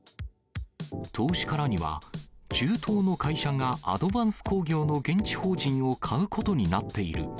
投資家らには、中東の会社がアドヴァンス工業の現地法人を買うことになっている。